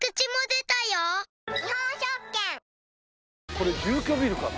これ住居ビルかな？